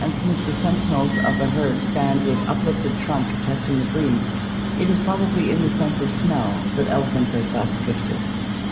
since the sentinels of the herd stand with uplifted trunk testing the breeze, it is probably in the sense of smell that elephants are thus gifted.